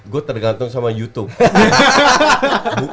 gue tergantung sama youtube